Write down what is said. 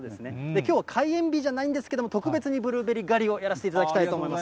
きょうは開園日じゃないんですけども、特別にブルーベリー狩りをやらせていただきたいと思います。